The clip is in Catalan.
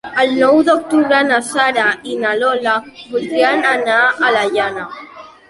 El nou d'octubre na Sara i na Lola voldrien anar a la Jana.